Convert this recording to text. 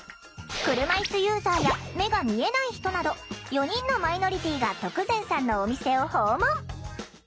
車いすユーザーや目が見えない人など４人のマイノリティーが徳善さんのお店を訪問。